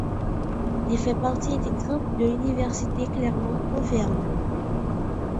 Il fait partie intégrante de l'Université Clermont Auvergne.